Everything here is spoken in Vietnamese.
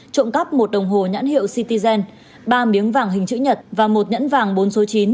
trộm cắp một đồng hồ nhãn hiệu cityzen ba miếng vàng hình chữ nhật và một nhẫn vàng bốn số chín